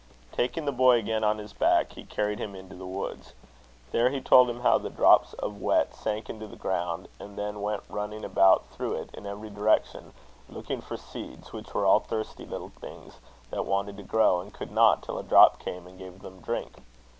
Taking the boy again on his back, he carried him into the woods. There he told him how the drops of wet sank into the ground, and then went running about through it in every direction, looking for seeds: which were all thirsty little things, that wanted to grow, and could not, till a drop came and gave them drink.